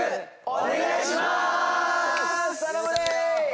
お願いします！